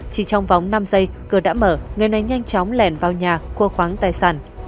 chỉ trong vòng năm giây cửa đã mở người này nhanh chóng lèn vào nhà khua khoáng tài sản